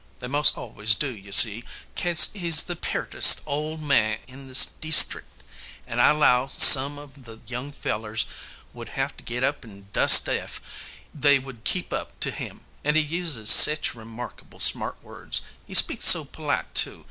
They mos' always do, you see, kase he's the peartest ole man in this deestrick; and I 'low some of the young fellers would have to git up and dust ef they would keep up to him. And he uses sech remarkable smart words. He speaks so polite, too.